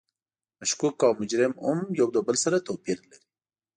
مشکوک او مجرم هم یو له بل سره توپیر لري.